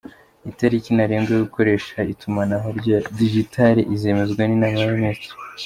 Itariki ntarengwa yo gukoresha itumanaho rya Digitali izemezwa n’Inama y’Abaminisitiri